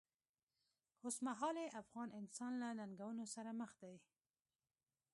اوسمهالی افغان انسان له ننګونو سره مخ دی.